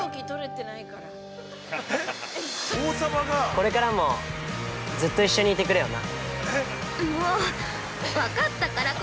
これからもずっと一緒にいてくれよな。